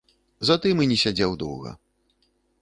Затым і не сядзеў доўга.